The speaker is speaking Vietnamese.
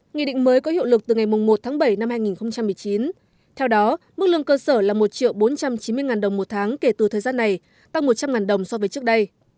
nghị định mới có hiệu lực từ ngày một tháng bảy năm hai nghìn một mươi chín theo đó mức lương cơ sở là một bốn trăm chín mươi đồng một tháng kể từ thời gian này tăng một trăm linh đồng so với trước đây